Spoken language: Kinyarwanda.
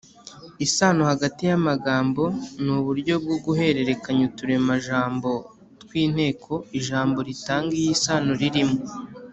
isano hagati y’amagambo ni uburyo bwo guhererekanya uturemajambo tw’inteko ijambo ritanga iyo sano ririmo.